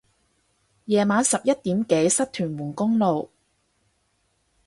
夜晚十一點幾塞屯門公路